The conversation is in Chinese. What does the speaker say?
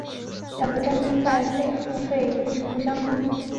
两个站厅在非付费区互不相通。